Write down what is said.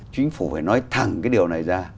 chính phủ phải nói thẳng cái điều này ra